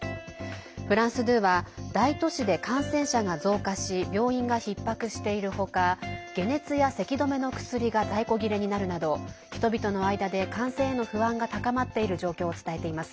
フランス２は大都市で感染者が増加し病院がひっ迫している他解熱や、せき止めの薬が在庫切れになるなど人々の間で感染への不安が高まっている状況を伝えています。